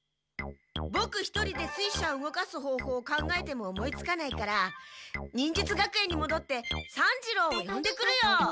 ボク一人で水車を動かすほうほうを考えても思いつかないから忍術学園にもどって三治郎をよんでくるよ。